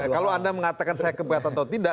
kalau anda mengatakan saya keberatan atau tidak